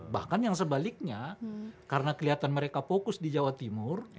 bahkan yang sebaliknya karena kelihatan mereka fokus di jawa timur